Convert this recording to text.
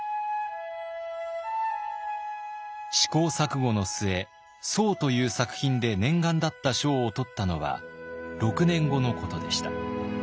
試行錯誤の末「」という作品で念願だった賞を取ったのは６年後のことでした。